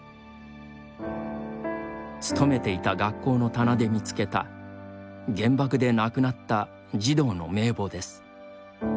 勤めていた学校の棚で見つけた原爆で亡くなった児童の名簿です。